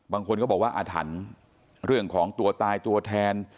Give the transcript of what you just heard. บางคนก็บอกว่าอาถรรพ์เรื่องของตัวตายตัวแทน